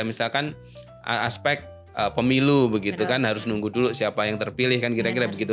misalkan aspek pemilu begitu kan harus nunggu dulu siapa yang terpilih kan kira kira begitu